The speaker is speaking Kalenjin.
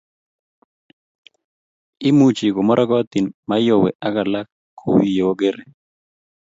imuchi komorokotin Mayowe ak alak kou ye ogeere